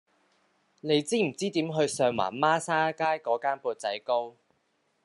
你知唔知點去上環孖沙街嗰間缽仔糕